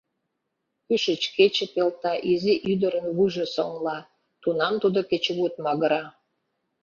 Кӱшыч кече пелта, изи ӱдырын вуйжо соҥла, тунам тудо кечыгут магыра.